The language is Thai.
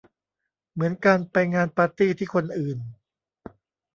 เหมือนการไปงานปาร์ตี้ที่คนอื่น